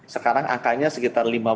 sekarang akannya sekitar